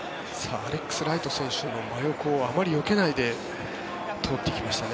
アレックス・ライト選手の横をあまりよけないで通っていきましたね。